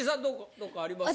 どっかありますか？